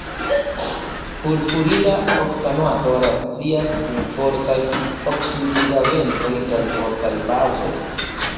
Furfurila oktanoato reakcias kun fortaj oksidigagentoj kaj fortaj bazoj.